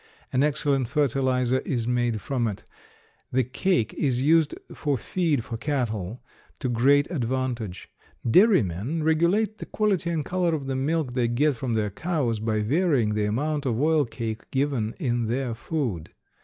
An excellent fertilizer is made from it. The cake is used for feed for cattle to great advantage. Dairymen regulate the quality and color of the milk they get from their cows by varying the amount of oil cake given in their food.